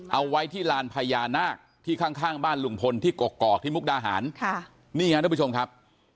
เอาไว้ที่ลานพญานาคที่ข้างข้างบ้านลุงพลที่กกอกที่มุกดาหารค่ะนี่ฮะทุกผู้ชมครับ